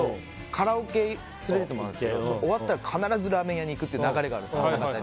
カラオケに連れてってもらうんですけど終わったら必ずラーメン屋さんに行く流れがあるんですよ。